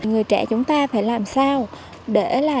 người trẻ chúng ta phải làm sao để là chia sẻ được những cái thông tin tốt